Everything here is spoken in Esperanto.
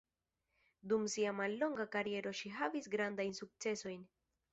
Dum sia mallonga kariero ŝi havis grandajn sukcesojn.